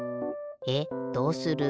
えっどうする？